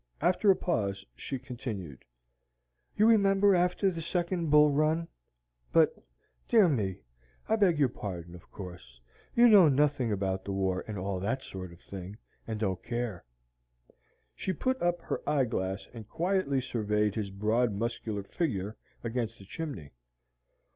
After a pause she continued: "You remember after the second Bull Run But, dear me! I beg your pardon; of course, you know nothing about the war and all that sort of thing, and don't care." (She put up her eye glass and quietly surveyed his broad muscular figure against the chimney.)